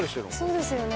そうですよね。